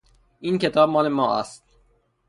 این کتاب مال ما است.